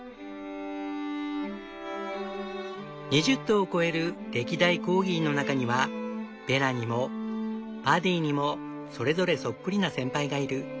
２０頭を超える歴代コーギーの中にはベラにもパディにもそれぞれそっくりな先輩がいる。